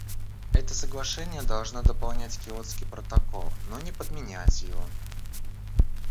Это соглашение должно дополнять Киотский протокол, но не подменять его.